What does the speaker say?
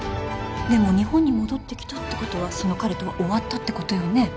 でも日本に戻ってきたってことはその彼とは終わったってことよね。